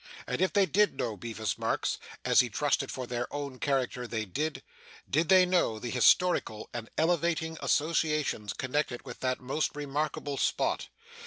And if they did know Bevis Marks (as he trusted for their own character, they did) did they know the historical and elevating associations connected with that most remarkable spot?